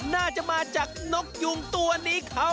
น่าจะมาจากนกยุงตัวนี้เขา